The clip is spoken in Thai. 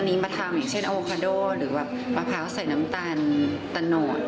อันนี้มาทำอย่างเช่นโอคาโดหรือแบบมะพร้าวใส่น้ำตาลตะโนด